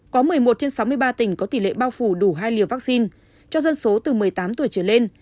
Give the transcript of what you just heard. có một mươi một trên sáu mươi ba tỉnh có tỷ lệ bao phủ đủ hai liều vaccine cho dân số từ một mươi tám tuổi trở lên